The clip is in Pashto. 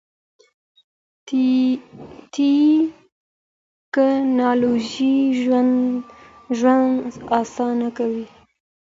ټیکنالوژي ژوند اسانه کوي.